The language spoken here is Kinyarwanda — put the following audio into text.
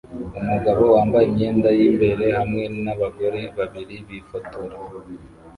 Umugabo wambaye imyenda y'imbere hamwe nabagore babiri bifotora